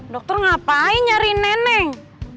dokter ngapain nyari neneng